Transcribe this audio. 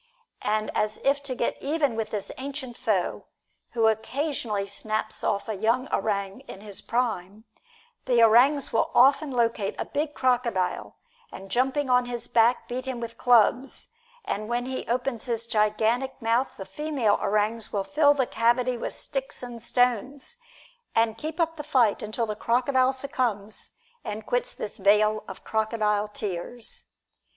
And as if to get even with this ancient foe, who occasionally snaps off a young orang in his prime, the orangs will often locate a big crocodile, and jumping on his back beat him with clubs; and when he opens his gigantic mouth, the female orangs will fill the cavity with sticks and stones, and keep up the fight until the crocodile succumbs and quits this vale of crocodile tears.